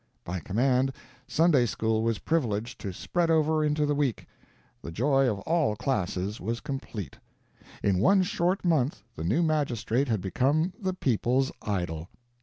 By command, Sunday school was privileged to spread over into the week. The joy of all classes was complete. In one short month the new magistrate had become the people's idol!